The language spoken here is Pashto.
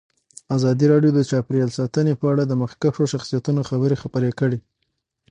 ازادي راډیو د چاپیریال ساتنه په اړه د مخکښو شخصیتونو خبرې خپرې کړي.